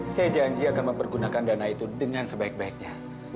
saya janji akan mempergunakan dana itu dengan sebaik baiknya